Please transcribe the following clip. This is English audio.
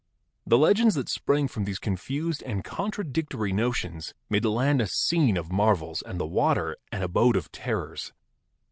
The legends that sprang from these confused and contradictory notions made the land a scene of marvels and the water an abode of terrors.